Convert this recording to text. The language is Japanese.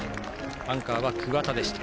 アンカーは桑田でした。